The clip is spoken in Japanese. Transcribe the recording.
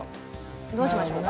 どうしましょうか？